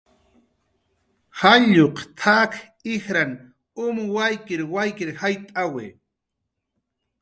"jalluq t""ak ijran um waykir waykir jayt'awi"